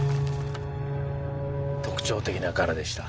特徴的な柄でした。